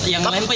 yang lain pak